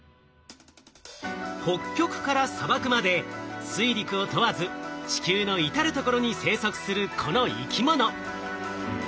北極から砂漠まで水陸を問わず地球の至る所に生息するこの生き物。